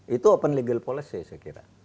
itu open legal policy saya kira